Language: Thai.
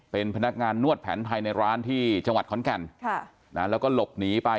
เป็นพนักงานนวดแผนไทยในร้านที่จังหวัดขอนแก่นแล้วก็หลบหนีไป